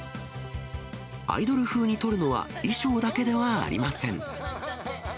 アイドル風に撮るのは、衣装だけではありません。